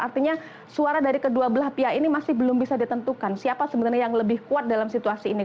artinya suara dari kedua belah pihak ini masih belum bisa ditentukan siapa sebenarnya yang lebih kuat dalam situasi ini